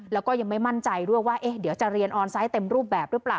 แล้วก็ยังไม่มั่นใจด้วยว่าเดี๋ยวจะเรียนออนไซต์เต็มรูปแบบหรือเปล่า